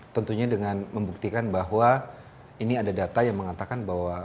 tentunya dengan membuktikan bahwa ini ada data yang mengatakan bahwa